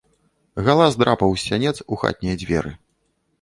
Галас драпаў з сянец у хатнія дзверы.